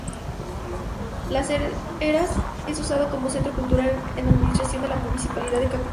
Las Heras es usado como centro cultural con administración de la Municipalidad de Capital.